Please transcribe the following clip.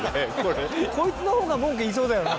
こいつの方が文句言いそうだよな。